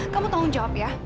kamu tolong jawab ya